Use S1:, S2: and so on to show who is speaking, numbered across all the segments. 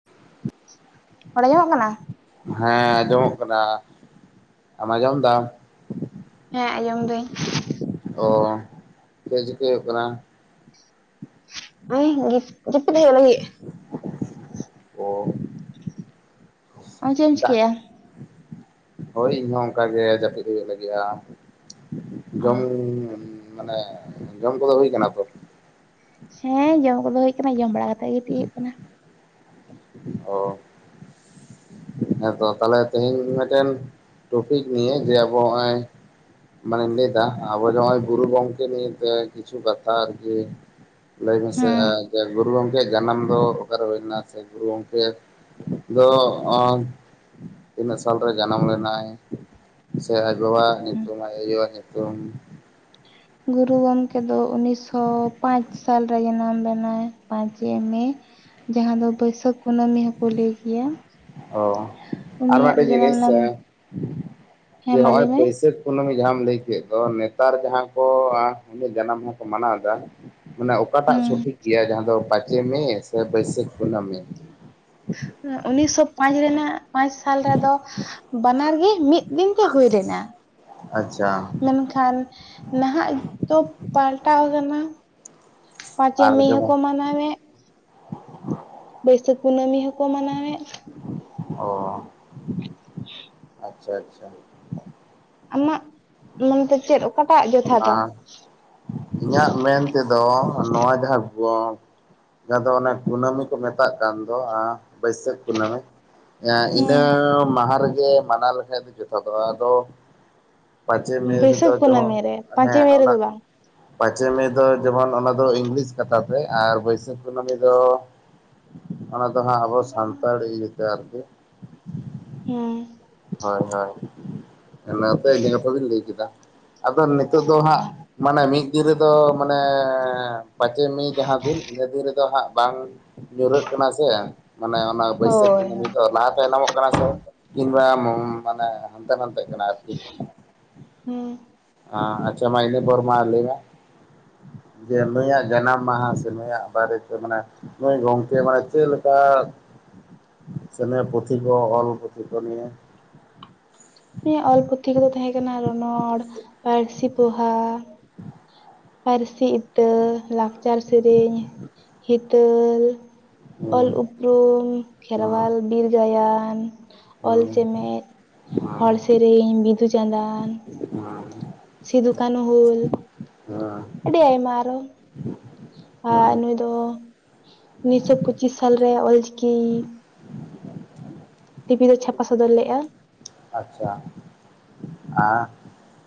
S1: [inaudible]
S2: ᱨᱚᱲ ᱟᱸᱡᱚᱢᱚᱜ ᱠᱟᱱᱟ?
S1: ᱦᱮᱸ ᱟᱸᱡᱚᱢᱚᱜ ᱠᱟᱱᱟ ᱟᱢ ᱟᱸᱡᱚᱢ ᱮᱫᱟᱢ?
S2: ᱦᱮᱸ ᱟᱸᱡᱚᱢ ᱮᱫᱟᱧ᱾
S1: ᱚ ᱪᱮᱜ ᱪᱤᱠᱟᱹ ᱟᱠᱟᱱᱟ?
S2: [unintelligible] ᱟᱭ [unintelligible] ᱡᱟᱯᱤᱫ ᱦᱚᱭᱚᱜ ᱞᱟᱹᱜᱤᱜ᱾
S1: ᱚᱻ
S2: ᱟᱢ ᱪᱮᱜᱮᱢ ᱪᱤᱠᱟᱹᱭᱮᱜᱼᱟ?
S1: ᱦᱚᱭ ᱤᱧᱦᱚᱸ ᱚᱱᱠᱟ ᱜᱮ ᱡᱟᱹᱯᱤᱫ ᱦᱩᱭᱩᱜ ᱞᱟᱹᱜᱤᱜᱼᱟ
S2: ᱚ
S1: ᱡᱚᱢᱼᱼ ᱢᱟᱱᱮ ᱡᱚᱢ ᱠᱚᱫᱚ ᱦᱩᱭ ᱠᱟᱱᱟ ᱛᱚ?
S2: ᱦᱮᱸ ᱡᱚᱢ ᱠᱚᱫᱚ ᱦᱩᱭᱩᱜ ᱠᱟᱱᱟ, ᱡᱚᱢ ᱵᱟᱲᱟ ᱠᱟᱛᱮᱜ ᱜᱤᱛᱤᱜ ᱦᱩᱭᱩᱜ ᱠᱟᱱᱟ᱾
S1: ᱚᱻ ᱦᱮᱸ ᱛᱚ ᱛᱟᱦᱞᱮ ᱛᱮᱦᱮᱧ ᱢᱤᱫᱴᱮᱱ ᱴᱚᱯᱤᱠ ᱱᱤᱭᱮ ᱡᱮ ᱟᱵᱚ ᱱᱚᱜᱼᱚᱭᱼᱼ ᱢᱟᱱᱮᱧ ᱞᱟᱹᱭ ᱮᱫᱟ ᱟᱵᱚ ᱱᱚᱭᱼᱚᱭ ᱜᱩᱨᱩ ᱜᱚᱝᱠᱮ ᱱᱤᱛ ᱠᱤᱪᱷᱩ ᱠᱟᱛᱷᱟ ᱟᱨᱠᱤᱼᱼ ᱞᱟᱹᱭ ᱢᱮᱥᱮ
S2: ᱦᱩᱸ
S1: ᱟᱡᱼᱼ ᱜᱩᱨᱩ ᱜᱚᱝᱠᱮᱭᱟᱜ ᱡᱟᱱᱟᱢ ᱫᱚ ᱚᱠᱟᱨᱮ ᱦᱩᱭ ᱞᱮᱱᱟ? ᱥᱮ ᱜᱩᱨᱩ ᱜᱚᱢᱠᱮ ᱫᱚ [unintelligible] ᱼᱼ ᱛᱤᱱᱟᱹᱜ ᱥᱟᱞ ᱨᱮ ᱡᱟᱱᱟᱢ ᱞᱮᱱᱟᱭ ᱥᱮ ᱟᱡ ᱵᱟᱵᱟᱣᱟᱜ
S2: ᱦᱩᱸ᱾
S1: ᱧᱩᱛᱩᱢ ᱟᱡ ᱟᱭᱳᱣᱟᱜ ᱧᱩᱛᱩᱢ?
S2: ᱜᱩᱨᱩ ᱜᱚᱝᱠᱮ ᱫᱚ ᱩᱱᱤᱥᱥᱳ ᱯᱟᱸᱪ ᱥᱟᱞᱨᱮᱭ ᱡᱟᱱᱟᱢ ᱞᱮᱱᱟᱭ ᱯᱟᱸᱪᱮᱭ ᱢᱮᱭᱼᱼ ᱡᱟᱦᱟᱸ ᱫᱚ ᱵᱟᱹᱭᱥᱟᱹᱠ ᱠᱩᱱᱟᱹᱢᱤ ᱦᱚᱸ ᱠᱚ ᱞᱟᱹᱭ ᱜᱮᱭᱟ᱾
S1: ᱚᱻ ᱟᱨ
S2: ᱩᱱᱤᱭᱟᱜ ᱫᱚ
S1: ᱢᱤᱫᱴᱮᱱ
S2: ᱡᱟᱱᱟᱢ
S1: ᱡᱤᱱᱤᱥ
S2: ᱞᱮᱱᱟ ᱦᱮᱸ
S1: ᱡᱮ
S2: ᱢᱟ
S1: ᱱᱚᱜᱼᱚᱭ
S2: ᱞᱟᱹᱭ ᱢᱮ?
S1: ᱵᱟᱹᱭᱥᱟᱹᱠᱼᱼ ᱠᱩᱱᱟᱹᱢᱤ ᱡᱟᱦᱟᱢ ᱞᱟᱹᱭ ᱠᱮᱫ ᱫᱚ ᱱᱮᱛᱟᱨ ᱡᱟᱦᱟᱸ ᱠᱚ ᱩᱱ ᱤᱭᱟᱜ ᱡᱟᱱᱟᱢ ᱢᱟᱦᱟ ᱠᱚ ᱢᱟᱱᱟᱣ ᱮᱫᱟ᱾ ᱢᱟᱱᱮ ᱚᱠᱟᱴᱟᱜ
S2: ᱦᱩᱸ
S1: ᱥᱚᱴᱷᱤᱠ ᱜᱮᱭᱟ ᱡᱟᱦᱟᱸ ᱫᱚ ᱯᱟᱸᱪᱮ ᱢᱮᱭ ᱥᱮ ᱵᱟᱹᱭᱥᱟᱹᱠᱷ ᱠᱩᱱᱟᱹᱢᱤ?
S2: ᱩᱱᱤᱥᱥᱚ ᱯᱟᱸᱪ ᱨᱮᱱᱟᱜ ᱯᱟᱸᱪ ᱥᱟᱞ ᱨᱮᱫᱚᱼᱼ ᱵᱟᱱᱟᱨᱜᱤ ᱢᱤᱫ ᱫᱤᱱ ᱛᱮ ᱦᱩᱭ ᱞᱮᱱᱟ᱾
S1: ᱟᱪᱪᱷᱟ᱾
S2: ᱠᱷᱟᱱ ᱱᱟᱦᱟᱜ ᱫᱚ ᱯᱟᱞᱴᱟᱣ ᱟᱠᱟᱱᱟ᱾ ᱯᱟᱸᱪᱮ
S1: ᱟᱨ
S2: ᱢᱮᱭ ᱦᱚᱸᱠᱚ
S1: ᱡᱮᱢᱚᱱ
S2: ᱢᱟᱱᱟᱣᱮᱫ᱾
S1: [inaudible]
S2: ᱵᱟᱹᱭᱥᱟᱹᱠᱷ ᱠᱩᱱᱟᱹᱢᱤ ᱦᱚᱸ ᱠᱚ ᱢᱟᱱᱟᱣᱮᱜ᱾
S1: ᱚᱻ ᱟᱪᱪᱷᱟ ᱟᱪᱪᱷᱟ᱾
S2: ᱟᱢᱟᱜ ᱢᱚᱱᱮᱛᱮ ᱪᱮᱜ ᱚᱠᱟᱴᱟᱜ ᱡᱚᱛᱷᱟᱛᱟ᱾
S1: ᱟᱨ ᱤᱧᱟᱹᱜ ᱢᱮᱱ ᱛᱮᱫᱚ ᱱᱚᱣᱟ ᱡᱟᱦᱟᱸ ᱜᱚᱸᱼᱼ ᱡᱟᱦᱟᱸ ᱫᱚ ᱚᱱᱮ ᱠᱩᱱᱟᱹᱢᱤ ᱠᱚ ᱢᱮᱛᱟᱜ ᱠᱟᱱ ᱫᱚ ᱵᱟᱹᱭᱥᱟᱹᱠᱷ ᱠᱩᱱᱟᱹᱢᱤᱼᱼ ᱮᱸ ᱤᱱᱟᱹ
S2: ᱦᱩᱸ
S1: ᱢᱟᱦᱟ ᱨᱮᱜᱮ ᱢᱟᱱᱟᱣ ᱞᱮᱠᱷᱟᱱ ᱫᱚ ᱡᱚᱛᱷᱟᱛ-ᱟ ᱟᱫᱚᱼᱼ ᱯᱟᱸᱪᱮᱭ ᱢᱮᱭ ᱨᱮᱫᱚ
S2: ᱵᱟᱹᱭᱥᱟᱹᱠᱷ
S1: ᱡᱮᱢᱚᱱ
S2: ᱠᱩᱱᱟᱹᱢᱤ ᱨᱮ ᱯᱟᱸᱪᱮ
S1: ᱦᱮᱸ
S2: ᱢᱮ
S1: ᱚᱱᱟᱼᱼ
S2: ᱨᱮᱫᱚ ᱵᱟᱝ
S1: ᱯᱟᱸᱪᱮ ᱢᱮᱭ ᱫᱚ ᱡᱮᱢᱚᱱ ᱚᱱᱟ ᱫᱚ ᱤᱝᱞᱤᱥ ᱠᱟᱛᱷᱟ ᱛᱮ ᱟᱨ ᱵᱟᱹᱭᱥᱟᱹᱠᱷ ᱠᱩᱱᱟᱹᱢᱤ ᱫᱚᱼᱼ ᱚᱱᱟ ᱫᱚ ᱦᱟᱸᱜ ᱟᱵᱚ ᱥᱟᱱᱛᱟᱲ ᱤᱭᱟᱹᱛᱮ ᱟᱨᱠᱤ᱾
S2: ᱦᱮᱸ᱾
S1: ᱦᱚᱭ ᱦᱚᱭ ᱚᱱᱟ ᱛᱮ ᱤᱱᱟᱹ ᱠᱟᱛᱷᱟ ᱫᱚᱧ ᱞᱟᱹᱭ ᱠᱮᱫᱟ ᱟᱫᱚ ᱱᱤᱛᱚᱜ ᱫᱚ ᱦᱟᱸᱜᱼᱼ ᱢᱟᱱᱮ ᱢᱤᱫ ᱫᱤᱱ ᱨᱮ ᱫᱚ ᱢᱟᱱᱮᱻ ᱯᱟᱸᱪ ᱢᱮᱭ ᱡᱟᱦᱟᱸ ᱫᱤᱱ ᱤᱱᱟᱹ ᱫᱤᱱ ᱨᱮ ᱫᱚ ᱦᱟᱸᱜ ᱵᱟᱝᱼᱼ ᱧᱩᱨᱟᱹᱜ ᱠᱟᱱᱟ ᱥᱮ ᱢᱟᱱᱮ ᱚᱱᱟ ᱵᱟᱹᱭᱥᱟᱹᱠᱷ
S2: ᱦᱳᱭ
S1: ᱠᱩᱱᱟᱹᱢᱤ
S2: ᱦᱳᱭ
S1: ᱫᱚ ᱞᱟᱦᱟ ᱛᱟᱭᱱᱟᱢᱚᱜ ᱠᱟᱱᱟ ᱥᱮ? [unintelligible] ᱢᱟᱱᱮ ᱦᱟᱱᱛᱮ ᱱᱟᱱᱛᱮ ᱠᱟᱱᱟ ᱟᱨ ᱠᱤᱼᱼ
S2: ᱦᱩᱸ
S1: ᱟᱪᱪᱷᱟ ᱢᱟ ᱤᱱᱟᱹ ᱯᱚᱨ ᱢᱟ ᱞᱟᱹᱭ ᱢᱮ ᱡᱮ ᱱᱩᱭᱟᱜ ᱡᱟᱱᱟᱢ ᱢᱟᱦᱟ ᱥᱮ ᱱᱩᱭᱟᱜ ᱵᱟᱨᱮ ᱛᱮ ᱢᱟᱱᱮ᱾ ᱱᱚᱩᱭ ᱜᱚᱝᱠᱮ ᱢᱟᱱᱮ ᱪᱮᱫ ᱞᱮᱠᱟᱭ᱾ ᱥᱮ ᱯᱩᱛᱷᱤ ᱠᱚ ᱚᱞ ᱯᱩᱛᱷᱤ ᱠᱚ ᱱᱤᱭᱮ
S2: ᱱᱩᱭ ᱟᱜ ᱚᱞ ᱯᱩᱛᱷᱤ ᱠᱚ ᱫᱚ ᱛᱟᱦᱮᱸ ᱠᱟᱱᱟ ᱨᱚᱱᱚᱲ ᱯᱟᱹᱨᱥᱤ ᱯᱚᱦᱟ᱾ ᱯᱟᱹᱨᱥᱤ ᱤᱛᱟᱹ ᱞᱟᱠᱪᱟᱨ ᱥᱮᱨᱮᱧ [unintelligible] [unintelligible] ᱚᱞ
S1: ᱦᱩᱸ
S2: ᱩᱯᱩᱨᱩᱢ
S1: ᱦᱩᱸ
S2: ᱠᱷᱮᱨᱣᱟᱞ ᱵᱤᱨ ᱜᱟᱭᱟᱱᱼᱼ
S1: [unintelligible]
S2: ᱦᱚᱲ ᱥᱮᱨᱮᱧ ᱵᱤᱫᱩ ᱪᱟᱸᱫᱟᱱᱼᱼ
S1: [unintelligible]
S2: ᱥᱤᱫᱩ ᱠᱟᱹᱱᱩ ᱦᱩᱞᱼᱼ
S1: ᱦᱩᱸ
S2: ᱟᱹᱰᱤ ᱟᱭᱢᱟ ᱟᱨᱚ᱾ ᱟᱨ
S1: ᱦᱩᱸ
S2: ᱱᱩᱭ ᱫᱚ ᱩᱱᱤᱥᱥᱚ ᱯᱩᱪᱤᱥ ᱥᱟᱞ ᱨᱮ ᱚᱞᱪᱤᱠᱤᱼᱼ ᱯᱚᱛᱷᱤ ᱫᱚ ᱪᱷᱟᱯᱟ ᱥᱚᱫᱚᱨ ᱞᱮᱫᱼᱟ᱾
S1: ᱟᱪᱪᱷᱟ [unintelligible]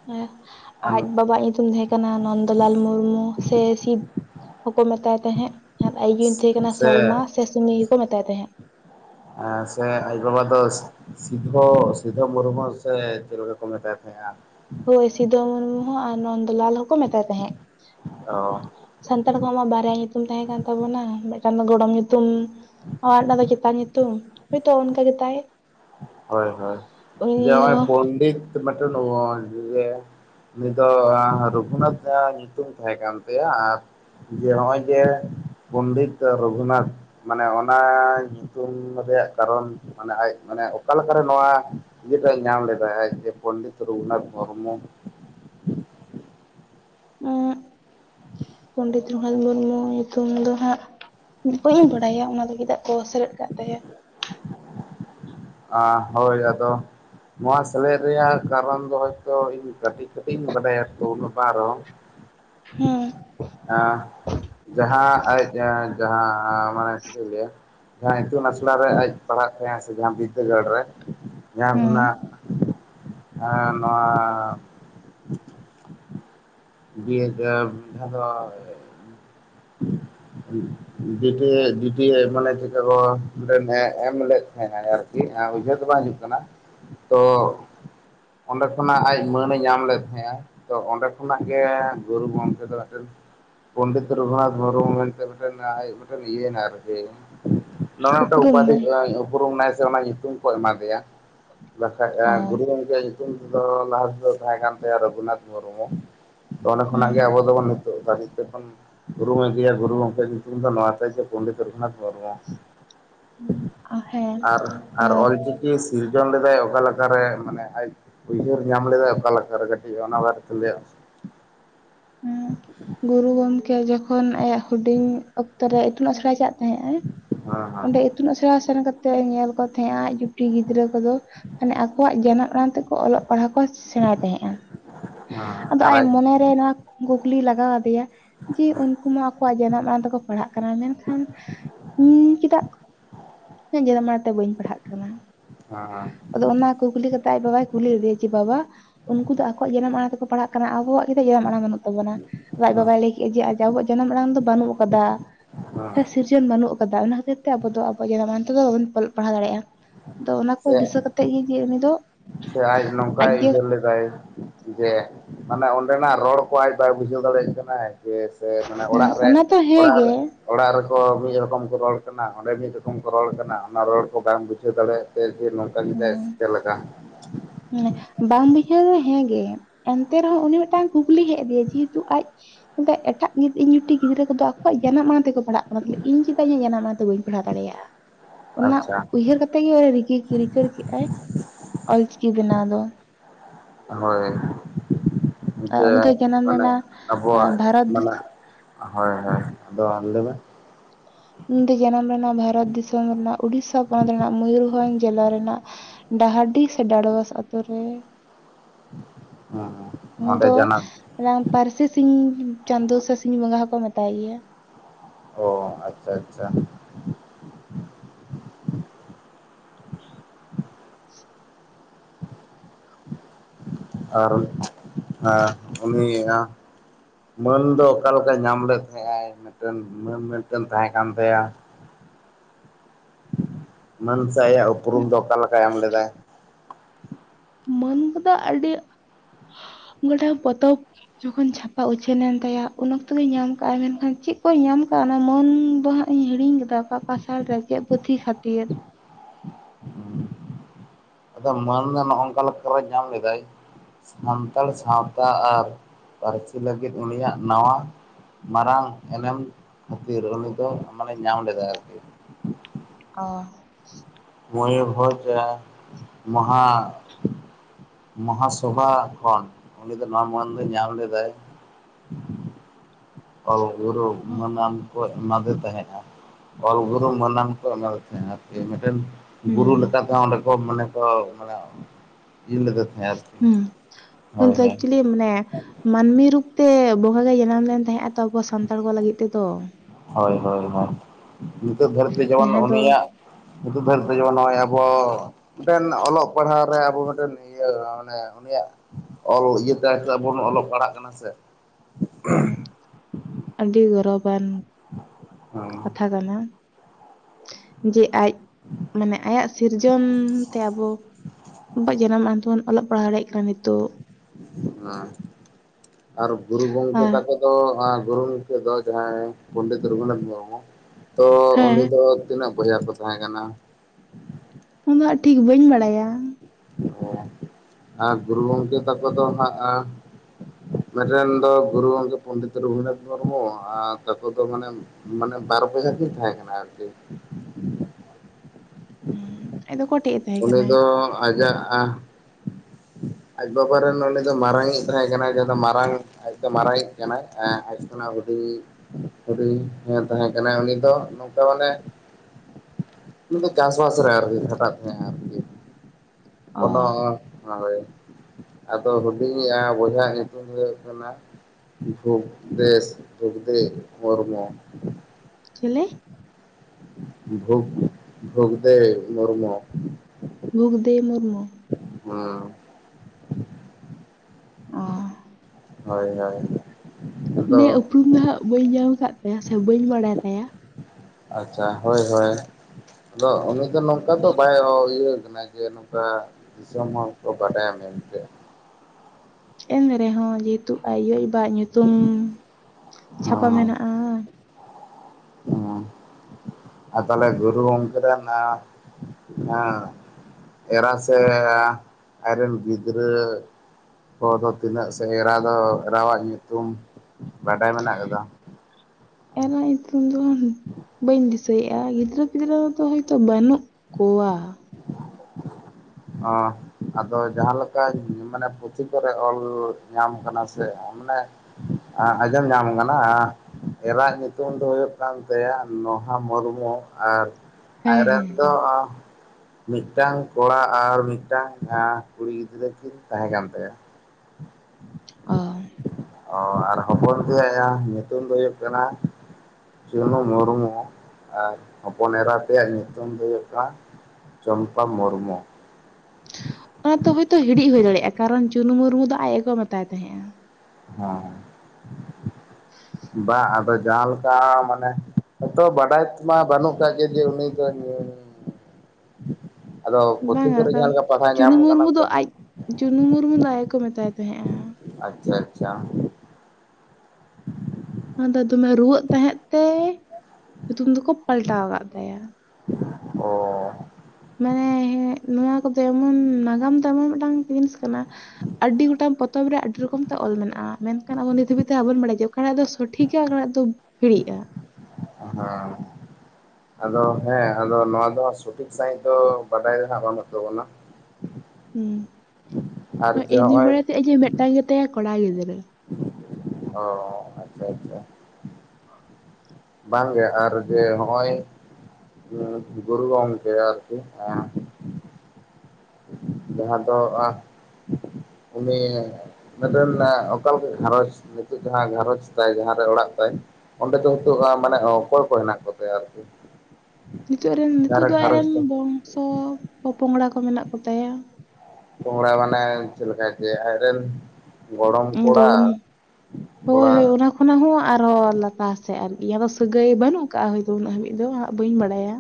S2: ᱦᱮ ᱟᱡ ᱵᱟᱵᱟᱣᱟᱜ ᱧᱩᱛᱩᱢ ᱛᱟᱦᱮᱸ ᱠᱟᱱᱟ ᱱᱚᱱᱫᱚᱞᱟᱞ ᱢᱩᱨᱢᱩ ᱥᱮ [unintelligible] ᱦᱚᱸᱠᱚ ᱢᱮᱛᱟᱭ ᱛᱟᱦᱮᱸᱜ ᱟᱨ ᱟᱡᱭᱩ ᱛᱟᱦᱮᱸ ᱠᱟᱱᱟ
S1: ᱥᱮ
S2: ᱥᱚᱞᱢᱟ ᱥᱮ ᱥᱚᱢᱤ ᱦᱚ ᱠᱚ ᱢᱮᱛᱟᱭ ᱛᱟᱦᱮᱸᱫᱼᱼ
S1: [inaudible] ᱥᱮ ᱟᱡ ᱵᱟᱵᱟ [unintelligible] ᱥᱤᱫᱟᱹ [unintelligible] ᱢᱩᱨᱢᱩ ᱥᱮ ᱪᱮᱫ ᱞᱮᱠᱟ ᱠᱚ ᱢᱮᱛᱟᱭ ᱛᱟᱦᱮᱸᱜᱼᱟ᱾
S2: ᱦᱳᱭ ᱥᱤᱫᱩ ᱢᱩᱨᱢᱩ ᱦᱚᱸ ᱟᱨ ᱱᱚᱱᱫᱚᱞᱟᱞ ᱦᱚᱸᱠᱚ ᱢᱮᱛᱟᱭ ᱛᱟᱦᱮᱸᱫᱼᱼ
S1: ᱚ
S2: ᱥᱟᱱᱛᱟᱲ ᱠᱚᱣᱟᱜ ᱢᱟ ᱵᱟᱨᱭᱟ ᱧᱩᱛᱩᱢ ᱛᱟᱦᱮᱸ ᱠᱟᱱ ᱛᱟᱵᱚ ᱱᱟ ᱢᱤᱫ ᱴᱟᱝ ᱫᱚ ᱜᱚᱲᱚᱢ ᱧᱩᱛᱩᱢᱼᱼ ᱟᱨ ᱢᱮᱫ ᱴᱟᱝ ᱫᱚ ᱪᱮᱛᱟᱱ ᱧᱩᱛᱩᱢ ᱦᱳᱭ ᱛᱳ ᱚᱱᱠᱟ ᱜᱮ ᱛᱟᱭ᱾
S1: ᱦᱳᱭ ᱦᱳᱭ ᱡᱮ
S2: ᱫᱚ
S1: ᱢᱚᱱ ᱯᱚᱱᱰᱤᱛ [unintelligible] ᱩᱱᱤ ᱫᱚ ᱨᱚᱜᱷᱩᱱᱟᱛᱷ ᱧᱩᱛᱩᱢ ᱛᱟᱦᱮᱸ ᱠᱟᱱ ᱛᱟᱭᱟ ᱟᱨᱼᱼ ᱡᱮ ᱱᱚᱜ ᱚᱭ ᱡᱮ ᱯᱚᱱᱰᱤᱛ ᱨᱚᱜᱷᱩᱱᱟᱛᱷ ᱢᱟᱱᱮ ᱚᱱᱟ ᱧᱩᱛᱩᱢ ᱨᱮᱭᱟᱜ ᱠᱟᱨᱚᱱ ᱢᱟᱱᱮ ᱟᱡ ᱢᱟᱱᱮᱼᱼ ᱚᱠᱟ ᱞᱮᱠᱟ ᱨᱮ ᱱᱚᱣᱟ ᱤᱭᱟᱹ ᱴᱟᱜ ᱧᱟᱢ ᱞᱮᱫᱟ ᱡᱮ ᱯᱚᱱᱰᱤᱛ ᱨᱚᱜᱷᱩᱱᱟᱛᱷ ᱢᱩᱨᱢᱩᱼᱼ
S2: [inaudible] ᱯᱚᱱᱰᱤᱛ ᱨᱚᱜᱷᱩᱱᱟᱛᱷ ᱢᱩᱨᱢᱩ ᱣᱟᱜ ᱧᱩᱛᱩᱢ ᱫᱚ ᱦᱟᱸᱜᱼᱼ ᱵᱟᱹᱞᱤᱧ ᱵᱟᱲ ᱟᱭᱟ ᱚᱱᱟ ᱪᱮᱫᱟᱜ ᱠᱚ ᱥᱮᱞᱮᱫ ᱟᱠᱟᱫ ᱛᱟᱭᱟ᱾
S1: ᱟ ᱦᱳᱭ ᱟᱫᱚ ᱱᱚᱣᱟ ᱥᱮᱞᱮᱫ ᱨᱮᱭᱟᱜ ᱠᱟᱨᱚᱱ ᱫᱚ ᱦᱚᱭ ᱛᱚ ᱤᱧ ᱠᱟᱹᱴᱤᱡ ᱠᱟᱹᱴᱤᱡ ᱤᱧ ᱵᱟᱰᱟᱭᱟ ᱛᱚ ᱩᱱᱟᱹᱜ ᱵᱟᱝ ᱨᱮ ᱦᱚᱸ
S2: ᱦᱩᱸ
S1: ᱦᱮᱸ ᱡᱟᱦᱟᱸ ᱟᱡ ᱡᱟᱦᱟᱸ ᱢᱟᱱᱮ ᱪᱮᱫ ᱞᱟᱹᱭᱼᱟ᱾ ᱡᱟᱦᱟᱸ ᱤᱛᱩᱱ ᱟᱥᱲᱟ ᱨᱮ ᱟᱡ ᱯᱟᱲ ᱦᱟᱜ ᱛᱟᱦᱮᱸᱫ ᱥᱮ ᱡᱟᱦᱟᱸ ᱵᱤᱫᱽᱫᱟᱹ ᱜᱟᱲ ᱨᱮᱼᱼ ᱡᱟᱦᱟᱸ
S2: ᱦᱮᱸ
S1: ᱨᱮᱱᱟᱜ [unintelligible] ᱱᱚᱣᱟ᱾ [unintelligible]
S2: [inaudible]
S1: [unintelligible] [unintelligible] ᱩᱭᱦᱟᱹᱨ ᱫᱚ ᱵᱟᱝ ᱦᱤᱡᱩᱜ ᱠᱟᱱᱟ ᱛᱚᱼᱼ ᱚᱸᱰᱮ ᱠᱷᱚᱱᱟᱜ ᱟᱡ ᱢᱟᱹᱱ ᱮ ᱧᱟᱢ ᱞᱮᱫ ᱛᱟᱦᱮᱸᱜᱼᱟ ᱛᱚ ᱚᱸᱰᱮ ᱠᱚ ᱠᱷᱚᱱᱟᱜ ᱜᱮ ᱜᱩᱨᱩ ᱜᱚᱢᱠᱮ ᱫᱚ [unintelligible] ᱯᱚᱱᱰᱤᱛ ᱨᱚᱜᱷᱩᱱᱟᱛᱷ ᱢᱩᱨᱢᱩ ᱢᱮᱱᱴᱮᱱ [inaudible] ᱟᱨᱠᱤ ᱱᱚᱣᱟ ᱢᱤᱫᱴᱮᱱ
S2: ᱩᱯᱨᱩᱢ
S1: ᱩᱯᱟᱫᱷᱤ
S2: ᱱᱟᱭ
S1: ᱩᱯᱨᱩᱢ ᱱᱟᱭ ᱥᱮ ᱚᱱᱟ ᱧᱩᱛᱩᱢ ᱠᱚ ᱮᱢᱟ ᱫᱮᱭᱟ᱾
S2: ᱚ
S1: ᱵᱟᱠᱷᱟᱡ ᱜᱩᱨᱩ ᱜᱚᱢᱠᱮᱭᱟᱜ ᱧᱩᱛᱩᱢ ᱛᱮᱫᱚ ᱞᱟᱦᱟ ᱛᱮᱫᱚ ᱛᱟᱦᱮᱸ ᱠᱟᱱ ᱛᱟᱭᱟ ᱨᱚᱜᱷᱩᱱᱟᱛᱷ ᱢᱩᱨᱢᱩ ᱚᱸᱰᱮ ᱠᱷᱚᱱᱟᱜ
S2: ᱦᱮᱸ
S1: ᱜᱮ ᱟᱵᱚ ᱫᱚᱵᱚᱱ [inaudible] ᱩᱨᱩᱢᱮ ᱜᱮᱭᱟ ᱜᱩᱨᱩ ᱜᱚᱝᱠᱮᱭᱟᱜ ᱧᱩᱛᱩᱢ ᱫᱚ ᱱᱚᱣᱟ ᱛᱟᱭ ᱫᱚ ᱯᱚᱱᱰᱤᱛ ᱨᱚᱜᱷᱩᱱᱟᱛᱷ ᱢᱩᱨᱢᱩ
S2: ᱦᱮᱸ
S1: ᱟᱨ ᱟᱨ ᱚᱞ ᱪᱤᱠᱤ ᱥᱤᱨᱡᱚᱱ ᱞᱮᱫᱟᱭ ᱚᱠᱟ ᱞᱮᱠᱟᱨᱮ ᱢᱟᱱᱮ ᱟᱡ ᱩᱭᱟᱹᱨ ᱧᱟᱢ ᱞᱮᱫᱟ ᱚᱠᱟᱞᱮᱠᱟ ᱨᱮ ᱠᱟᱹᱴᱤᱡ ᱚᱱᱟ ᱵᱟᱨᱮᱭᱟ ᱛᱮ ᱞᱟᱹᱭᱟᱜ
S2: ᱦᱮᱸ ᱜᱩᱨᱩ ᱜᱚᱢᱠᱮ ᱡᱚᱠᱷᱚᱱ ᱠᱷᱚᱱ ᱟᱭᱟᱜ ᱦᱩᱰᱤᱧ ᱚᱠᱛᱚ ᱨᱮ ᱤᱛᱩᱱ ᱟᱥᱲᱟᱭ ᱪᱟᱞᱟᱜ ᱛᱟᱦᱮᱸᱜᱼᱟ
S1: ᱦᱮᱸ ᱦᱮᱸ
S2: ᱚᱸᱰᱮ ᱤᱛᱩᱱ ᱟᱥᱲᱟ ᱥᱮᱱ ᱠᱟᱛᱮᱫ ᱧᱮᱞ ᱠᱚ ᱛᱟᱦᱮᱸᱜᱼᱟ ᱟᱡ ᱡᱩᱴᱤ ᱜᱤᱫᱽᱨᱟᱹ ᱠᱚᱫᱳ ᱢᱟᱱᱮ ᱟᱠᱚᱣᱟᱜ ᱡᱟᱱᱟᱢ ᱟᱲᱟᱝ ᱛᱮᱠᱚ ᱚᱞᱚᱜ ᱯᱟᱲᱦᱟᱣ ᱠᱚ ᱥᱮᱸᱬᱟᱭ ᱛᱟᱦᱮᱸᱜᱼᱟ
S1: ᱦᱮᱸ
S2: ᱟᱫᱚ
S1: ᱟᱨ
S2: ᱟᱡ ᱢᱚᱱᱮᱨᱮ ᱱᱚᱣᱟ ᱠᱩᱠᱞᱤᱭ ᱞᱟᱜᱟᱣ ᱟᱫᱮᱭᱟ ᱡᱮ
S1: ᱦᱮᱸ
S2: ᱩᱱᱠᱩ ᱢᱟ ᱟᱠᱚᱣᱟᱜ ᱡᱟᱱᱟᱢ ᱟᱲᱟᱝ ᱛᱮᱠᱚ ᱯᱟᱲᱦᱟᱜ ᱠᱟᱱᱟ ᱢᱮᱱᱠᱷᱟᱱ ᱤᱧ ᱪᱮᱫᱟᱜ ᱤᱧᱟᱜ ᱡᱟᱱᱟᱢ ᱟᱲᱟᱝ ᱛᱮ ᱵᱟᱹᱧ ᱯᱟᱲᱦᱟᱜ ᱠᱟᱱᱟ
S1: ᱦᱟᱸ
S2: ᱟᱫᱚ
S1: ᱦᱟᱸ
S2: ᱚᱱᱟ ᱠᱩᱠᱞᱤ ᱠᱟᱛᱮ ᱟᱡ ᱵᱟᱵᱟᱭ ᱠᱩᱞᱤ ᱞᱮᱫᱮᱭᱟ ᱡᱮ ᱵᱟᱵᱟ ᱩᱱᱠᱩ ᱫᱚ ᱟᱠᱚᱣᱟᱜ ᱡᱟᱱᱟᱢ ᱟᱲᱟᱝ ᱛᱮᱠᱚ ᱯᱟᱲᱦᱟᱜ ᱠᱟᱱᱟ ᱟᱵᱚᱣᱟᱜ ᱪᱮᱫᱟᱜ ᱡᱟᱱᱟᱢ ᱟᱲᱟᱝ ᱵᱟᱹᱱᱩᱜ ᱛᱟᱵᱚᱱᱟ ᱟᱡ ᱵᱟᱵᱟᱭ ᱞᱟᱹᱭ ᱠᱮᱫᱼᱟ ᱡᱮ ᱟᱵᱚᱣᱟᱜ ᱡᱟᱱᱟᱢ ᱟᱲᱟᱝ ᱫᱚ ᱵᱟᱹᱱᱩᱜ ᱟᱠᱟᱫᱟ᱾
S1: ᱦᱮᱸ ᱦᱮᱸ
S2: ᱥᱮ ᱥᱤᱨᱡᱚᱱ ᱵᱟᱹᱱᱩᱜ ᱟᱠᱟᱫᱟ ᱚᱱᱟ ᱠᱷᱟᱹᱛᱤᱨ ᱟᱵᱚ ᱟᱵᱚᱣᱟᱜ ᱡᱟᱱᱟᱢ ᱟᱲᱟᱝ ᱛᱮᱫᱚ ᱵᱟᱵᱚᱱ ᱚᱞᱚᱜ ᱯᱟᱲᱟᱣ ᱫᱟᱲᱮᱭᱟᱜᱼᱟ ᱟᱫᱚ ᱚᱱᱟ ᱠᱚ
S1: ᱥᱮ
S2: ᱫᱤᱥᱟᱹ ᱠᱟᱛᱮ ᱜᱮ ᱡᱮ ᱩᱱᱤ ᱫᱳ
S1: ᱥᱮ ᱟᱡ ᱱᱚᱝᱠᱟᱭ ᱦᱩᱞ ᱞᱮᱫᱟᱭ ᱡᱮ ᱢᱟᱱᱮ ᱚᱸᱰᱮᱱᱟᱜ ᱨᱚᱲ ᱠᱚ ᱟᱡ ᱵᱟᱭ ᱵᱩᱡᱷᱟᱹᱣ ᱫᱟᱲᱮᱭᱟᱜ ᱠᱟᱱᱟ ᱡᱮ ᱥᱮ ᱢᱟᱱᱮ ᱚᱲᱟᱜ ᱨᱮ
S2: ᱚᱱᱟ ᱫᱚ
S1: ᱚᱲᱟᱜ
S2: ᱦᱮᱸᱜᱮ
S1: ᱨᱮ ᱚᱲᱟᱜ ᱨᱮᱠᱚ ᱢᱤᱫ ᱨᱚᱠᱚᱢ ᱠᱚ ᱨᱚᱲ ᱠᱟᱱᱟ ᱚᱸᱰᱮ ᱢᱤᱫ ᱨᱚᱠᱚᱢ ᱠᱚ ᱨᱚᱲ ᱠᱟᱱᱟ ᱚᱱᱟ ᱨᱚᱲ ᱠᱚ ᱵᱟᱝ ᱵᱩᱡᱷᱟᱹᱣ ᱫᱟᱲᱮᱭᱟᱜ [inaudible] ᱱᱚᱝᱠᱟᱱ ᱢᱮᱛᱟᱭᱟ ᱥᱮ ᱪᱮᱫ ᱞᱮᱠᱟ
S2: ᱦᱮᱸ ᱵᱟᱝ ᱵᱩᱡᱷᱟᱹᱣ ᱦᱮᱸᱜᱮ ᱮᱱᱛᱮ ᱨᱮᱦᱚᱸ ᱩᱱᱤ ᱢᱤᱫᱴᱟᱝ ᱠᱩᱠᱞᱤ ᱦᱮᱡ ᱟᱫᱮᱭᱟ ᱡᱮᱦᱮᱛᱩ ᱟᱡ ᱞᱟ‍ᱹᱭᱮᱫᱟ ᱮᱴᱟᱜ ᱤᱧ ᱡᱩᱴᱤ ᱜᱤᱫᱽᱨᱟᱹ ᱠᱚᱫᱚ ᱟᱠᱚᱣᱟᱜ ᱡᱟᱱᱟᱢ ᱟᱲᱟᱝ ᱛᱮᱠᱚ ᱯᱟᱲᱦᱟᱜ ᱠᱟᱱᱟ ᱤᱧ ᱪᱮᱫᱟᱜ ᱤᱧᱟᱹᱜ ᱡᱟᱱᱟᱢ ᱟᱲᱟᱝ ᱛᱮ ᱵᱟᱹᱧ ᱯᱟᱲᱦᱟᱣ ᱫᱟᱲᱮᱭᱟᱜᱼᱟ ᱚᱱᱟ
S1: ᱟᱪᱪᱷᱟ
S2: ᱩᱭᱦᱟᱹᱨ ᱠᱟᱛᱮ ᱜᱮ ᱨᱤᱠ ᱨᱤᱠᱟᱹᱲ ᱠᱮᱜᱼᱟᱭ ᱚᱞᱪᱤᱠᱤ ᱵᱮᱱᱟᱣ ᱫᱳ
S1: ᱦᱳᱭ ᱡᱮ
S2: ᱩᱱᱤ ᱫᱚᱭ ᱡᱟᱱᱟᱢ
S1: ᱢᱟᱱᱮ
S2: ᱞᱮᱱᱟ
S1: ᱟᱵᱚᱣᱟᱜ
S2: ᱵᱷᱟᱨᱚᱛ
S1: ᱢᱟᱱᱮ
S2: ᱫᱤᱥᱚᱢ
S1: ᱦᱳᱭ ᱦᱳᱭ ᱟᱫᱚ ᱞᱟᱹᱭ ᱢᱮ
S2: ᱩᱱᱤ ᱫᱚ ᱡᱟᱱᱟᱢ ᱞᱮᱱᱟ ᱵᱷᱟᱨᱚᱛ ᱫᱤᱥᱚᱢ ᱨᱮᱱᱟᱜ ᱩᱲᱤᱥᱥᱟ ᱯᱚᱱᱚᱛ ᱨᱮᱱᱟᱜ ᱢᱚᱭᱩᱨᱵᱷᱚᱸᱡᱽ ᱡᱮᱞᱟ ᱨᱮᱱᱟᱜ ᱰᱟᱦᱟᱨᱰᱤ ᱥᱮ ᱰᱟᱲᱵᱟᱥ ᱟᱛᱳ ᱨᱮ
S1: ᱦᱮᱸ ᱦᱮᱸ
S2: ᱩᱱᱤ ᱫᱚ ᱯᱟᱹᱨᱥᱤ ᱥᱤᱧ ᱪᱟᱸᱫᱳ ᱥᱮ ᱥᱤᱧ ᱵᱚᱸᱜᱟ ᱦᱚᱸᱠᱚ ᱢᱮᱛᱟᱭ ᱜᱮᱭᱟ᱾
S1: ᱚ ᱟᱪᱪᱷᱟ ᱟᱪᱪᱷᱟ
S2: [unintelligible]
S1: ᱟᱨ ᱩᱱᱤ ᱟᱨ ᱟ ᱢᱟᱹᱱ ᱫᱚ ᱚᱠᱟᱞᱮᱠᱟᱭ ᱧᱟᱢ ᱞᱮᱫ ᱛᱟᱦᱮᱸᱜ-ᱟᱭ ᱢᱤᱫᱴᱮᱱ ᱢᱟᱹᱱ ᱢᱤᱫᱴᱮᱱ ᱛᱟᱦᱮᱸ ᱠᱟᱱ ᱛᱟᱭᱟ ᱢᱟᱹᱱ ᱥᱮ ᱟᱭᱟᱜ ᱩᱯᱨᱩᱢ ᱫᱚ ᱚᱠᱟᱞ ᱞᱮᱠᱟᱭ ᱮᱢ ᱞᱮᱫᱟᱭ
S2: ᱢᱟᱹᱱ ᱠᱚᱫᱚ ᱟᱹᱰᱤ ᱜᱚᱴᱟᱝ ᱯᱚᱛᱚᱵ ᱡᱚᱠᱷᱚᱱ ᱪᱷᱟᱯᱟ ᱩᱪᱷᱟᱹᱱ ᱮᱱ ᱛᱟᱭᱟ ᱩᱱ ᱚᱠᱛᱚ ᱜᱮᱭ ᱧᱟᱢ ᱠᱟᱜ ᱟᱭ ᱢᱮᱱᱠᱷᱟᱱ ᱪᱮᱫ ᱠᱚᱭ ᱧᱟᱢ ᱠᱟᱜᱼᱟ ᱚᱱᱟ ᱢᱟᱹᱱ ᱫᱚ ᱦᱟᱸᱜ ᱤᱧ ᱦᱤᱲᱤᱧ ᱠᱮᱫᱟ ᱚᱠᱟ ᱚᱠᱟ ᱥᱟᱞ ᱨᱮ ᱪᱮᱫ ᱯᱟᱹᱛᱷᱤ ᱠᱷᱟᱹᱛᱤᱨ
S1: ᱟᱫᱚ ᱢᱟᱹᱱ ᱫᱚ ᱱᱚᱜᱼᱚ ᱱᱚᱠᱟ ᱞᱮᱠᱟᱨᱮ ᱧᱟᱢ ᱞᱮᱫᱟᱭ ᱥᱟᱱᱛᱟᱲ ᱥᱟᱶᱛᱟ ᱟᱨ ᱯᱟᱹᱨᱥᱤ ᱞᱟᱹᱜᱤᱫ ᱩᱱᱤᱭᱟᱜ ᱱᱟᱣᱟ ᱢᱟᱨᱟᱝ ᱮᱱᱮᱢ ᱠᱷᱟᱹᱛᱤᱨ ᱩᱱᱤ ᱫᱳ ᱢᱟᱱᱮ ᱧᱟᱢ ᱞᱮᱫᱟᱭ ᱟᱨᱠᱤ
S2: ᱚ
S1: ᱢᱚᱭᱩᱨᱵᱷᱚᱸᱡᱽᱟ ᱢᱚᱦᱟ ᱢᱚᱦᱟᱥᱚᱵᱷᱟ ᱠᱷᱚᱱ ᱩᱱᱤ ᱫᱚ ᱱᱚᱣᱟ ᱢᱟᱹᱱ ᱫᱚ ᱧᱟᱢ ᱞᱮᱫᱟᱭ᱾ [inaudible] ᱮᱢᱟᱫᱮ ᱛᱟᱦᱮᱱᱟᱭ ᱚᱞ ᱜᱩᱨᱩ ᱢᱟᱹᱱᱟᱱ ᱠᱚ ᱮᱢᱟᱫᱮ ᱛᱟᱦᱮᱸᱜ ᱟᱨᱠᱤ ᱢᱤᱫᱴᱮᱱ ᱵᱩᱨᱩ
S2: ᱦᱩᱸ
S1: ᱞᱮᱠᱟᱛᱮ ᱦᱚᱸ ᱚᱸᱰᱮ ᱠᱚ ᱢᱟᱱᱮ ᱠᱚ ᱢᱟᱱᱮ ᱤᱨ ᱞᱮᱫᱮ ᱛᱟᱦᱮᱸ ᱟᱨᱠᱤ᱾
S2: ᱦᱩᱸ
S1: ᱦᱳᱭ
S2: [inaudible]
S1: ᱦᱳᱭ
S2: ᱮᱠᱪᱩᱞᱤ ᱢᱟᱱᱮ ᱢᱟᱹᱱᱢᱤ ᱨᱩᱯ ᱛᱮ ᱵᱚᱸᱜᱟ ᱜᱮ ᱡᱟᱱᱟᱢ ᱞᱮᱱ ᱛᱟᱦᱮᱸᱜᱼᱟ ᱛᱚ ᱟᱵᱚ ᱥᱟᱱᱛᱟᱲ ᱠᱚ ᱞᱟᱹᱜᱤᱫ ᱛᱮ ᱫᱚ,
S1: ᱦᱳᱭ ᱦᱳᱭ ᱦᱳᱭ ᱱᱤᱛᱚᱜ ᱫᱷᱟᱹᱨᱤᱡ ᱛᱮ ᱡᱮᱢᱚᱱ
S2: ᱡᱟᱦᱟᱸ ᱫᱚ
S1: ᱩᱱᱤᱭᱟᱜ ᱱᱤᱛᱚᱜ ᱫᱷᱟᱹᱨᱤᱡ ᱛᱮ ᱡᱮᱢᱚᱱ ᱱᱚᱜᱼᱚᱭ ᱟᱵᱚ ᱢᱤᱫᱴᱮᱱ ᱚᱞᱚᱜ ᱯᱟᱲᱦᱟᱣ ᱨᱮ ᱟᱵᱚ ᱢᱤᱫᱴᱮᱱ ᱤᱭᱟᱹ ᱢᱟᱱᱮ ᱩᱱᱤᱭᱟᱜ ᱚᱞ ᱤᱭᱟᱹ ᱛᱮᱵᱚᱱ ᱚᱞᱚᱜ ᱯᱟᱲᱦᱟᱜ ᱠᱟᱱᱟ ᱥᱮ᱾
S2: ᱦᱩᱸ ᱟᱹᱰᱤ ᱜᱚᱨᱚᱵᱟᱱ
S1: ᱦᱮᱸ
S2: ᱠᱟᱛᱷᱟ ᱠᱟᱱᱟ᱾ ᱡᱮ ᱟᱡ ᱢᱟᱱᱮ ᱟᱭᱟᱜ ᱥᱤᱨᱡᱚᱱ ᱛᱮ ᱟᱵᱚ ᱟᱵᱚᱣᱟᱜ ᱡᱟᱱᱟᱢ ᱟᱲᱟᱝ ᱛᱮᱵᱚᱱ ᱚᱞᱚᱜ ᱯᱟᱲᱦᱟᱣ ᱫᱟᱲᱮᱭᱟᱜ ᱠᱟᱱᱟ ᱱᱤᱛᱚᱜ᱾
S1: ᱦᱮᱸ ᱟᱨ ᱜᱩᱨᱩ ᱜᱚᱝᱠᱮ
S2: ᱟᱨ
S1: ᱛᱟᱠᱚ ᱫᱚ ᱟᱨ ᱜᱩᱨᱩ ᱜᱚᱢᱠᱮ ᱫᱚ ᱡᱟᱦᱟᱸᱭ ᱯᱚᱸᱱᱰᱤᱛ ᱨᱟᱹᱜᱷᱩᱱᱟᱛᱷ ᱢᱩᱨᱢᱩ ᱛᱚ
S2: ᱦᱮᱸ
S1: ᱩᱱᱤ ᱫᱚ ᱛᱤᱱᱟᱹᱜ ᱵᱚᱭᱦᱟ ᱠᱚ ᱛᱟᱦᱮ ᱛᱟᱦᱮᱸ ᱠᱟᱱᱟ?
S2: ᱩᱱᱟᱹᱜ ᱴᱷᱤᱠ ᱵᱟᱹᱧ ᱵᱟᱲᱟᱭᱟ᱾
S1: ᱚ, ᱟᱨ ᱜᱩᱨᱩ ᱜᱚᱢᱠᱮ ᱛᱟᱠᱚ ᱫᱚ ᱦᱟᱸᱜᱼᱟ, ᱢᱤᱫᱴᱮᱱ ᱫᱚ ᱜᱩᱨᱩ ᱜᱚᱝᱠᱮ ᱯᱚᱱᱰᱤᱛ ᱨᱚᱜᱷᱩᱱᱟᱛᱷ ᱢᱩᱨᱢᱩ ᱟᱨ ᱛᱟᱯᱳᱨ ᱫᱚ ᱢᱟᱱᱮ ᱢᱟᱱᱮ ᱵᱟᱨ ᱵᱚᱭᱦᱟ ᱠᱤᱱ ᱛᱟᱦᱮᱸ ᱠᱟᱱᱟ ᱟᱨᱠᱤ᱾
S2: ᱦᱮᱸ ᱟᱡ ᱫᱚ ᱠᱚᱚᱴᱤᱡ ᱮ ᱛᱟᱦᱮᱸ ᱠᱟᱱᱟᱭ?
S1: ᱛᱚ ᱟᱡᱟᱜ ᱟ ᱟᱡ ᱵᱟᱵᱟᱨᱮᱱ ᱱᱚᱰᱮ ᱫᱚ ᱢᱟᱨᱟᱝᱤᱡ ᱛᱟᱦᱮᱸ ᱠᱟᱱᱟᱭ ᱡᱟᱦᱟᱸ ᱫᱚ ᱢᱟᱨᱟᱝ ᱟᱡ ᱫᱚ ᱢᱟᱨᱟᱝᱤᱡ ᱠᱟᱱᱟᱭ ᱟᱭ ᱠᱷᱚᱱᱟᱜ ᱦᱩᱰᱤᱧ ᱤᱡ ᱦᱩᱰᱤᱧ ᱤᱡ ᱮ ᱛᱟᱸᱦᱮ ᱠᱟᱱᱟᱭ ᱩᱱᱤ ᱫᱚ ᱱᱚᱝᱠᱟ ᱢᱟᱱᱮ ᱩᱱᱤ ᱫᱚ ᱪᱟᱥ ᱵᱟᱥ ᱨᱮ ᱟᱨᱠᱤ ᱠᱷᱟᱴᱟᱜ ᱛᱟᱦᱮᱸᱜᱼᱟᱭ ᱟᱨᱠᱤ᱾
S2: ᱚ
S1: ᱠᱚᱱᱳ ᱦᱳᱭ ᱟᱫᱚ ᱦᱩᱰᱤᱧᱤᱜᱼᱟ ᱵᱚᱭᱦᱟᱜ ᱧᱩᱛᱩᱢ ᱦᱳᱭᱳᱜ ᱠᱟᱱᱟ ᱵᱷᱩᱯᱫᱮᱥ ᱫᱷᱩᱜᱽᱫᱮᱵ ᱢᱩᱨᱢᱩ᱾
S2: ᱪᱮᱞᱮ?
S1: ᱵᱷᱩᱯ ᱵᱷᱩᱜᱽᱫᱮᱵᱽ ᱢᱩᱨᱢᱩ᱾
S2: ᱵᱷᱩᱜᱽᱫᱮ ᱢᱩᱨᱢᱩ᱾
S1: ᱦᱩᱸ
S2: ᱟᱻᱻ
S1: ᱦᱳᱭ ᱦᱳᱭ ᱟᱫᱚ
S2: ᱩᱱᱤᱭᱟᱜ ᱩᱯᱨᱩᱢ ᱫᱚ ᱦᱟᱸᱜ ᱵᱟᱹᱧ ᱧᱟᱢ ᱟᱠᱟᱫ ᱛᱟᱭᱟ ᱥᱮ ᱵᱟᱹᱧ ᱵᱟᱲᱟᱭ ᱛᱟᱭᱟ᱾
S1: ᱟᱪᱪᱷᱟ ᱦᱳᱭ ᱦᱳᱭ᱾ ᱟᱫᱚ ᱩᱱᱤ ᱫᱚ ᱱᱚᱝᱠᱟ ᱫᱚ ᱵᱟᱭ ᱤᱭᱟᱹ ᱠᱟᱱᱟ ᱡᱮ ᱫᱤᱥᱚᱢ ᱦᱚᱲ ᱠᱚ ᱵᱟᱰᱟᱭᱟ ᱢᱮᱱᱛᱮᱜ ᱾
S2: ᱮᱱ ᱨᱮᱦᱚᱸ ᱡᱮᱦᱮᱛᱩ ᱟᱡ ᱭᱳ ᱟᱡ ᱵᱟ ᱧᱩᱛᱩᱢ ᱪᱷᱟᱯᱟ
S1: ᱦᱮᱸ
S2: ᱢᱮᱱᱟᱜᱼᱟ᱾
S1: ᱦᱮᱸ ᱟᱨ ᱛᱟᱦᱞᱮ ᱜᱩᱨᱩ ᱜᱚᱢᱠᱮ ᱨᱮᱱ ᱮᱲᱟ ᱥᱮ ᱟᱡᱨᱮᱱ ᱜᱤᱫᱽᱨᱟᱹ ᱠᱚᱫᱚ ᱛᱤᱱᱟᱹᱜ ᱥᱮ ᱮᱨᱟ ᱫᱚ ᱮᱲᱟᱣᱟᱜ ᱧᱩᱛᱩᱢ ᱵᱟᱰᱟᱭ ᱢᱮᱱᱟᱜ ᱟᱠᱟᱫᱟ?
S2: ᱮᱨᱟ ᱧᱩᱛᱩᱢ ᱫᱚ ᱵᱟᱹᱧ ᱫᱤᱥᱟᱹᱭᱮᱫᱼᱟ ᱜᱤᱫᱽᱨᱟᱹ ᱯᱤᱫᱽᱨᱟᱹᱫᱚ ᱦᱚᱭᱛᱳ ᱵᱟᱹᱱᱩᱜ ᱠᱳᱣᱟ᱾
S1: ᱚᱸ ᱟᱫᱚ ᱡᱟᱸᱦᱟᱸ ᱞᱮᱠᱟ ᱯᱩᱛᱷᱤ ᱠᱚᱨᱮᱜ ᱚᱞ ᱧᱟᱢ ᱠᱟᱱᱟ ᱥᱮ ᱚᱱᱮ ᱟᱡᱚᱢ ᱧᱟᱢ ᱠᱟᱱᱟ ᱟᱸ ᱮᱨᱟᱜ ᱧᱩᱛᱩᱢ ᱫᱚ ᱦᱩᱭᱩᱜ ᱠᱟᱱ ᱛᱟᱭᱟᱱᱚᱦᱟ ᱢᱩᱨᱢᱩ ᱟᱨ ᱟᱡ
S2: ᱦᱮᱸ
S1: ᱨᱮᱱ ᱫᱚ
S2: [unintelligible]
S1: ᱢᱤᱫᱴᱟᱝ ᱠᱚᱲᱟ ᱟᱨ ᱢᱤᱫᱴᱟᱝ ᱠᱩᱲᱤ ᱜᱤᱫᱽᱨᱟᱹ ᱠᱤᱱ ᱛᱟᱦᱮᱸ ᱠᱟᱱ ᱛᱟᱭᱟ
S2: ᱚ
S1: ᱚ ᱟᱨ ᱦᱚᱯᱚᱱ ᱛᱮᱭᱟᱭᱟ ᱧᱩᱛᱩᱢ ᱫᱚ ᱦᱩᱭᱩᱜ ᱠᱟᱱᱟ ᱪᱩᱱᱩ ᱢᱩᱨᱢᱩ ᱦᱚᱯᱚᱱ ᱮᱨᱟ ᱛᱮᱭᱟᱜ ᱧᱩᱛᱩᱢ ᱫᱚ ᱦᱩᱭᱩᱜ ᱠᱟᱱᱟ ᱪᱚᱢᱯᱟ ᱢᱩᱨᱢᱩ [unintelligible]
S2: ᱚᱱᱟ ᱛᱚ ᱦᱩᱭ ᱛᱚ ᱦᱤᱲᱤᱡ ᱦᱩᱭ ᱫᱟᱲᱮᱭᱟᱜᱼᱟ ᱠᱟᱨᱚᱱ ᱪᱩᱱᱩ ᱢᱩᱨᱢᱩ ᱫᱚ ᱟᱡ ᱜᱮᱠᱚ ᱢᱮᱛᱟᱭ ᱛᱟᱦᱮᱸᱜᱼᱟ
S1: ᱦᱚᱸ
S2: [unintelligible]
S1: ᱵᱟᱸ ᱟᱫᱚ ᱡᱟᱦᱟᱸ ᱞᱮᱠᱟ ᱢᱟᱱᱮ ᱛᱚ ᱵᱟᱰᱟᱭ ᱢᱟ ᱵᱟᱹᱱᱩᱜ ᱠᱟᱜ ᱜᱮ ᱡᱮ ᱩᱱᱤ ᱫᱚ ᱟᱫᱚ ᱯᱩᱛᱷᱤ
S2: ᱵᱟᱝ-ᱟ
S1: ᱠᱚᱨᱮ ᱡᱟᱦᱟᱸ
S2: ᱠᱟᱨᱚᱱ
S1: ᱞᱮᱠᱟ ᱯᱟᱲᱦᱟᱣ
S2: ᱪᱩᱱᱩ
S1: ᱧᱟᱢ ᱠᱟᱱᱟ
S2: ᱢᱩᱨᱢᱩ ᱫᱚ
S1: ᱛᱚ
S2: ᱟᱡ ᱪᱩᱱᱩ ᱢᱩᱨᱢᱩ ᱫᱚ ᱟᱡ ᱠᱚ ᱢᱮᱛᱟᱭ ᱛᱟᱦᱮᱸᱫᱼᱟ
S1: ᱟᱪᱪᱷᱟ ᱟᱪᱪᱷᱟ
S2: ᱚᱱᱟᱫᱚ ᱫᱚᱢᱮ ᱨᱩᱣᱟᱹᱜ ᱛᱟᱦᱮᱸᱜ ᱛᱮ ᱧᱩᱛᱩᱢ ᱫᱚᱠᱚ ᱯᱟᱞᱴᱟᱣ ᱠᱟᱜ ᱛᱟᱭᱟ
S1: ᱚ
S2: ᱢᱟᱱᱮᱸ ᱱᱚᱣᱟ ᱠᱚᱫᱚ ᱮᱢᱚᱱ ᱱᱟᱜᱟᱢ ᱛᱟᱵᱚᱱ ᱢᱤᱫᱴᱟᱝ ᱡᱤᱱᱤᱥ ᱠᱟᱱᱟ ᱟᱹᱰᱤ ᱜᱚᱴᱟᱝ ᱯᱚᱛᱚᱵ ᱨᱮ ᱟᱹᱰᱤ ᱨᱚᱠᱚᱢ ᱛᱮ ᱚᱞ ᱢᱮᱱᱟᱜᱼᱟ ᱢᱮᱱᱠᱷᱟᱱ ᱟᱵᱚ ᱱᱤᱛ ᱦᱟᱹᱵᱤᱡ ᱛᱮ ᱵᱟᱵᱚᱱ ᱵᱟᱲᱟᱭ ᱡᱮ ᱚᱠᱟ ᱴᱟᱜ ᱫᱚ ᱥᱚᱴᱷᱤᱠᱟ ᱚᱠᱟ ᱴᱟᱜ ᱫᱚ ᱦᱤᱲᱤᱡᱼᱟ?
S1: ᱦᱮᱸ ᱟᱫᱚ ᱦᱮᱸ ᱟᱫᱚ ᱱᱚᱣᱟ ᱫᱚ [unintelligible] ᱥᱚᱴᱷᱩᱠ ᱥᱟᱹᱦᱤᱡ ᱫᱚ ᱵᱟᱰᱟᱭ ᱨᱮᱱᱟᱜ ᱵᱟᱹᱱᱩᱜ ᱛᱟᱵᱚᱱᱟ
S2: ᱦᱩᱸ,
S1: ᱟᱨ ᱡᱮ
S2: ᱤᱧ ᱫᱩᱧ
S1: ᱦᱚᱜᱼᱚᱭ
S2: ᱵᱟᱲᱟᱭ ᱛᱟᱦᱮᱜᱼᱟ ᱡᱮ ᱢᱤᱫᱴᱟᱝ ᱜᱮᱛᱟᱭᱟ ᱠᱚᱲᱟ ᱜᱤᱫᱽᱨᱟᱹ᱾
S1: ᱚ ᱟᱪᱪᱷᱟ ᱟᱪᱪᱷᱟ ᱵᱟᱝ ᱜᱮ ᱟᱨ ᱡᱮ ᱦᱚᱸᱜᱼᱚᱭ ᱜᱩᱨᱩ ᱜᱚᱢᱠᱮ ᱟᱨ ᱠᱤ ᱡᱟᱦᱟᱸ ᱫᱚ ᱟᱜ ᱩᱱᱤ ᱢᱤᱫᱴᱮᱱ ᱚᱠᱟ ᱞᱮᱠᱟ ᱜᱷᱟᱨᱚᱸᱡᱽ ᱱᱤᱛᱚᱜ ᱡᱟᱦᱟᱸ ᱜᱷᱟᱨᱚᱸᱡᱽ ᱛᱟᱭ ᱡᱟᱦᱟᱸ ᱨᱮ ᱚᱲᱟᱜ ᱛᱟᱭ? ᱚᱸᱰᱮ ᱫᱚ ᱱᱤᱛᱚᱜ ᱢᱟᱱᱮ ᱚᱠᱚᱭ ᱠᱚ ᱦᱮᱱᱟᱜ ᱠᱚ ᱛᱮ ᱟᱨᱠᱤ?
S2: ᱱᱤᱛᱚᱜ ᱨᱮᱱ ᱱᱤᱛᱚᱜ ᱫᱚ
S1: ᱡᱟᱦᱟᱸᱨᱮ
S2: ᱟᱡ
S1: ᱜᱷᱟᱨᱚᱸᱡᱽ
S2: ᱨᱮᱱ
S1: ᱛᱟᱭ
S2: ᱵᱚᱝᱥᱚ ᱯᱳᱯᱳᱝᱲᱟᱲᱟ ᱠᱚ ᱢᱮᱱᱟᱜ ᱠᱚ ᱛᱟᱭᱟ
S1: ᱯᱚᱝᱲᱟ ᱢᱟᱱᱮ ᱪᱮᱜ ᱞᱮᱠᱟ ᱡᱮ ᱟᱡ ᱨᱮᱱ ᱜᱚᱲᱚᱢ ᱠᱚᱲᱟ,
S2: ᱜᱚᱲᱚᱢ ᱦᱳᱭ
S1: ᱠᱚᱲᱟ
S2: ᱦᱳᱭ ᱚᱱᱟ ᱦᱚᱸ ᱟᱨᱦᱚᱸ ᱞᱟᱛᱟᱨ ᱥᱮᱫ ᱟᱨᱠᱤ ᱟᱫᱚ ᱥᱟᱹᱜᱟᱹᱭ ᱵᱟᱹᱱᱩᱜ ᱠᱟᱜᱼᱟ ᱦᱚᱭ ᱛᱚ ᱩᱱᱟᱹᱜ ᱦᱟᱹᱵᱤᱡ ᱫᱚ ᱦᱟᱜ ᱵᱟᱹᱧ ᱵᱟᱲᱟᱭᱟ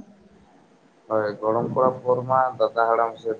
S1: ᱦᱳᱭ ᱜᱚᱲᱚᱢ ᱠᱚᱲᱟ ᱯᱳᱨ ᱢᱟ ᱫᱟᱫᱟ ᱦᱟᱲᱟᱢ ᱥᱮ